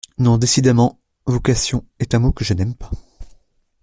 Non, décidément, vocation est un mot que je n'aime pas.